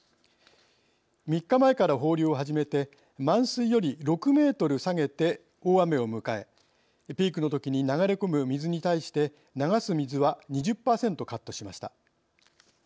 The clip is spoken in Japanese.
３日前から放流を始めて満水より６ｍ下げて大雨を迎えピークのときに流れ込む水に対して流す水は２０％カットしました。